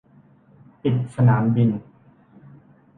ปิดสนามบิน